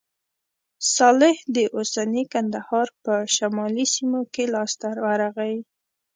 صالح د اوسني کندهار په شمالي سیمو کې لاسته ورغی.